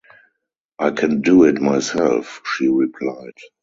“I can do it myself,” she replied.